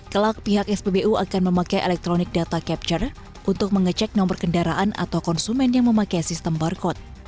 kelak pihak spbu akan memakai electronic data capture untuk mengecek nomor kendaraan atau konsumen yang memakai sistem barcode